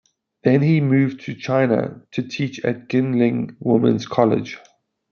Then he moved to China to teach at Ginling Women's College.